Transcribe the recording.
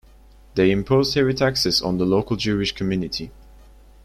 They imposed heavy taxes on the local Jewish community.